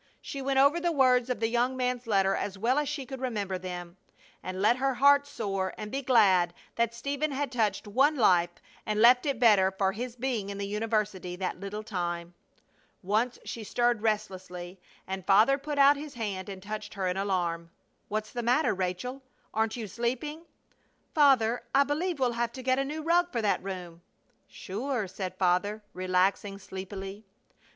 She went over the words of the young man's letter as well as she could remember them, and let her heart soar and be glad that Stephen had touched one life and left it better for his being in the university that little time. Once she stirred restlessly, and Father put out his hand and touched her in alarm: "What's the matter, Rachel? Aren't you sleeping?" "Father, I believe we'll have to get a new rug for that room." "Sure!" said Father, relaxing sleepily.